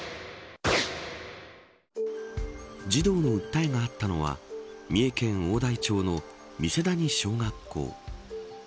児童の訴えがあったのは三重県大台町の三瀬谷小学校。